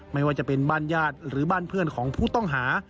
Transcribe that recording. ไม่ว่าจะเป็นบ้านญาติหรือบ้านเพื่อนของผู้ต้องหา